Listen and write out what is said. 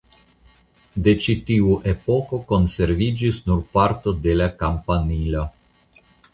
De ĉi tiu epoko konserviĝis nur parto de la kampanilo.